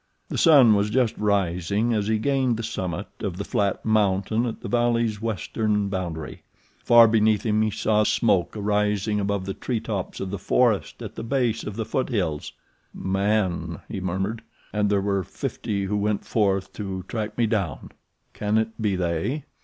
The sun was just rising as he gained the summit of the flat mountain at the valley's western boundary. Far beneath him he saw smoke arising above the tree tops of the forest at the base of the foothills. "Man," he murmured. "And there were fifty who went forth to track me down. Can it be they?"